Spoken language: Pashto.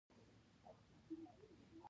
که زړه خوشحال وي، نو مخ به وخاندي.